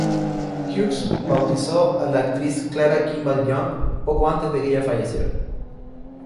Hughes bautizó a la actriz Clara Kimball Young poco antes de que ella falleciera.